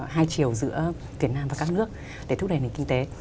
hai chiều giữa việt nam và các nước để thúc đẩy nền kinh tế